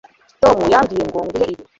Tom yambwiye ngo nguhe ibi